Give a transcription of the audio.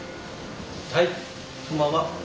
はいこんばんは。